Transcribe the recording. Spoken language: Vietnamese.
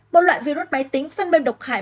một loại virus máy tính phân biên độc hại